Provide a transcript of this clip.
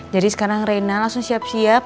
jadi sekarang rena langsung siap siap